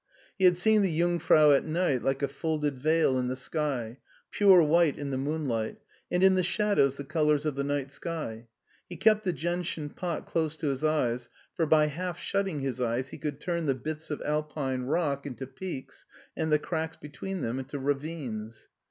He had seen the Jungfrau at night like a folded veil in the sky, pure white in the moonlight, and in the shadows the colors of the night sky. He kept the gentian pot close to his eyes, for by half shutting his eyes he could turn the bits of Alpine rock into peaks and the cracks between them into ravines.